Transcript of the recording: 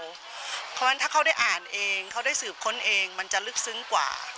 เพราะฉะนั้นถ้าเขาได้อ่านเองเขาได้สืบค้นเองมันจะลึกซึ้งกว่า